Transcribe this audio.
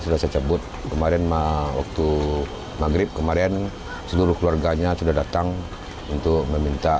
sudah saya cabut kemarin waktu maghrib kemarin seluruh keluarganya sudah datang untuk meminta